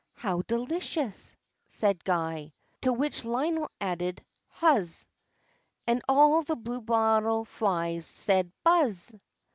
"How delicious!" said Guy. To which Lionel added, "Huzz!" And all the bluebottle flies said, "Buzz!"